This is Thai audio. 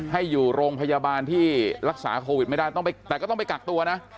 ให้อยู่โรงพยาบาลที่รักษาโควิดไม่ได้แต่ก็ต้องไปกักตัวนะ